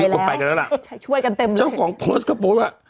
ทางนี้ไปกันแล้วล่ะใช้ช่วยกันเต็มช่องของโพสต์ก็บอกว่า